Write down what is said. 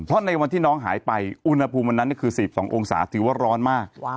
เพราะในวันที่น้องหายไปอุณหภูมิวันนั้นคือ๑๒องศาถือว่าร้อนมาก